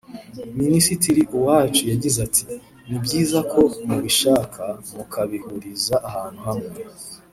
Minisitiri Uwacu yagize ati “Ni byiza ko mubishaka mukabihuriza ahantu hamwe